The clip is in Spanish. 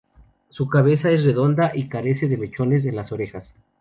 Su cabeza es redonda y carece de mechones en las orejas.